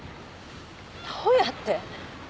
どうやって？